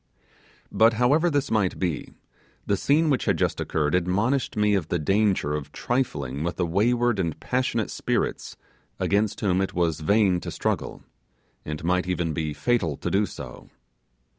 But however this might be, the scene which had just occurred admonished me of the danger of trifling with the wayward and passionate spirits against whom it was vain to struggle, and might even be fatal to do go.